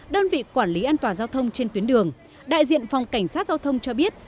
đơn vị quản lý an toàn giao thông trên tuyến đường đại diện phòng cảnh sát giao thông cho biết